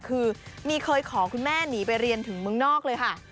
คือมีเคยขอคุณแม่หนีไปเรียนถึงเมืองนอกเลยค่ะ